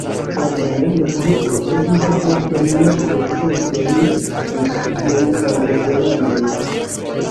Kompreneble tio provokis fortajn protestojn de ŝiaj sampopolanoj.